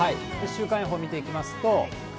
週間予報見ていきますと。